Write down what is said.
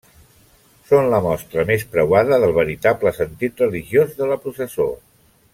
Són la mostra més preuada del veritable sentit religiós de la processó.